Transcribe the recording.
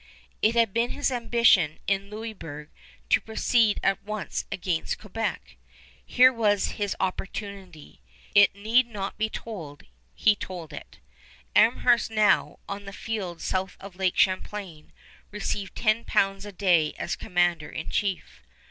It had been his ambition in Louisburg to proceed at once against Quebec. Here was his opportunity. It need not be told, he took it. Amherst now, on the field south of Lake Champlain, received 10 pounds a day as commander in chief.